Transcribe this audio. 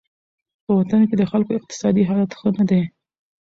په وطن کې د خلکو اقتصادي حالت ښه نه دی.